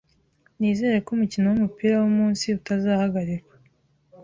Nizere ko umukino wumupira wumunsi utazahagarikwa.